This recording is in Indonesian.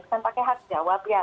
kan pakai hak jawab ya